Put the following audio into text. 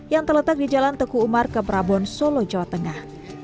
yang terletak di jalan teku umar ke prabon solo jawa tengah